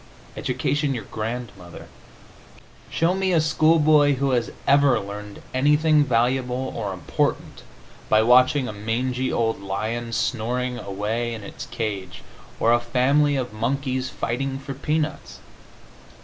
Education your grandmother! Show me a schoolboy who has ever learned anything valuable or important by watching a mangy old lion snoring away in its cage or a family of monkeys fighting for peanuts.